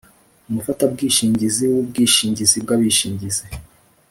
umufatabwishingizi w’ubwishingizi bw’abishingizi;